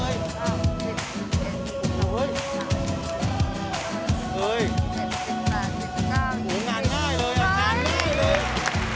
เยี้ยมนานได้เลย